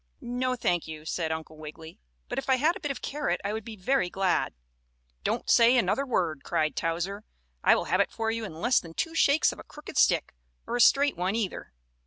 "No, thank you," said Uncle Wiggily, "but if I had a bit of carrot I would be very glad." "Don't say another word!" cried Towser. "I will have it for you in less than two shakes of a crooked stick, or a straight one, either."